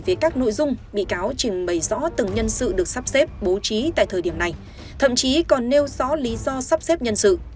phải rõ từng nhân sự được sắp xếp bố trí tại thời điểm này thậm chí còn nêu rõ lý do sắp xếp nhân sự